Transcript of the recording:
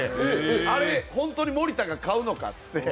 あれ、本当に森田が買うのかって。